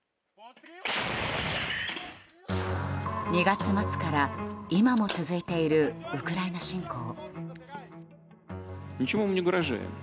２月末から今も続いているウクライナ侵攻。